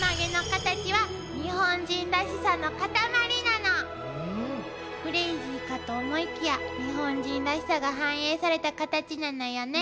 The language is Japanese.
ということでクレージーかと思いきや日本人らしさが反映されたカタチなのよね。